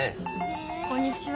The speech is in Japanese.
こんにちは。